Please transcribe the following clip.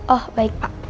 oh baik pak